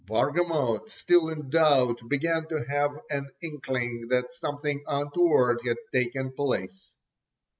Bargamot, still in doubt, began to have an inkling that something untoward had taken place.